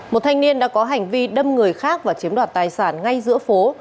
một thanh niên đã có hành vi đâm người khác và chiếm đoạt tài sản ngay giữa phố